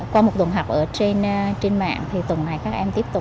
qua một tuần học ở trên mạng thì tuần này các em tiếp tục